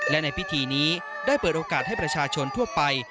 และในพิธีนี้ได้เปิดโอกาสให้ประชาชนทั่วไป